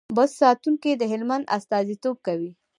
بست ساتونکي د هلمند استازیتوب کوي.